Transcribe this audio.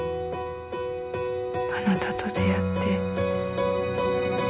「あなたと出会って」。